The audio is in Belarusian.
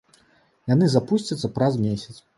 Яны запусцяцца праз месяц.